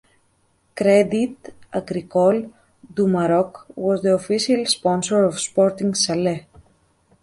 Crédit Agricole du Maroc was the official sponsor of Sporting Salé.